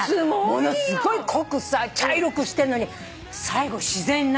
ものすごい濃くさ茶色くしてるのに最後自然になるじゃん。